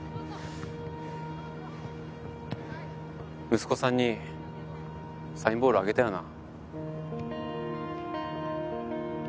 息子さんにサインボールあげたよな？